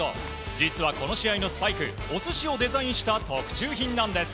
実はこの試合のスパイクお寿司をデザインした特注品なんです。